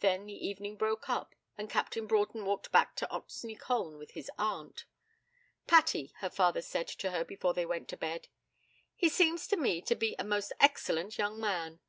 Then the evening broke up, and Captain Broughton walked back to Oxney Colne with his aunt. 'Patty,' her father said to her before they went to bed, 'he seems to me to be a most excellent young man.'